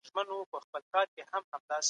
دا کار د علمي کارونو د پرمختګ لامل کیږي.